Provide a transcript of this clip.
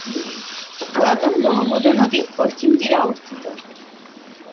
পুরাতন ব্রহ্মপুত্র নদীর পশ্চিম তীরে অবস্থিত।